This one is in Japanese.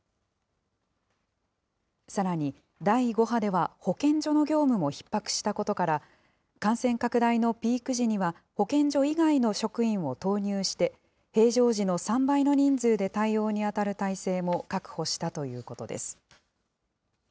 さらに、第５波では保健所の業務もひっ迫したことから、感染拡大のピーク時には、保健所以外の職員を投入して、平常時の３倍の人数で対応に当たる体制も確保したということです。